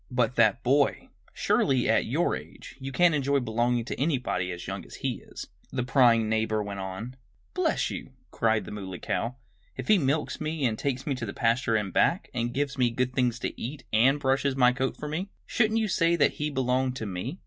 "But that boy! Surely, at your age, you can't enjoy belonging to anybody as young as he is!" the prying neighbor went on. "Bless you!" cried the Muley Cow. "If he milks me, and takes me to the pasture and back, and gives me good things to eat, and brushes my coat for me, shouldn't you say that he belonged to me?